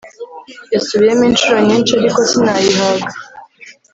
Yasubiyemo inshuro nyinshi ariko sinayihaga